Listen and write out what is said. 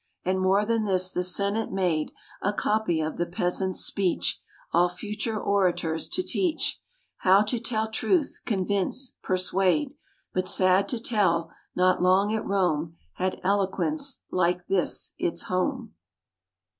And more than this, the Senate made A copy of the Peasant's speech, All future orators to teach How to tell truth, convince, persuade. But sad to tell, not long at Rome Had eloquence like this its home.